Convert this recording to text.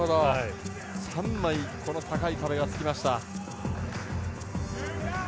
３枚高い壁がつきました。